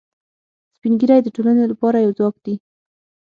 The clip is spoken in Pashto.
سپین ږیری د ټولنې لپاره یو ځواک دي